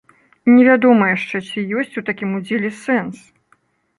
І невядома яшчэ, ці ёсць у такім удзеле сэнс?